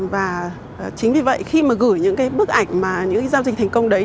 và chính vì vậy khi mà gửi những cái bức ảnh mà những cái giao dịch thành công đấy